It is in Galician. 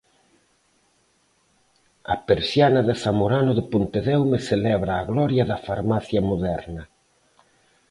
A persiana de Zamorano de Pontedeume celebra a gloria da farmacia moderna.